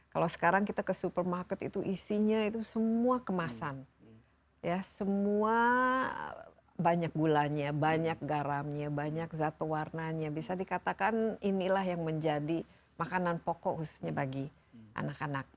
kalau sekarang kita ke supermarket itu isinya itu semua kemasan ya semua banyak gulanya banyak garamnya banyak zat pewarnanya bisa dikatakan inilah yang menjadi makanan pokok khususnya bagi anak anak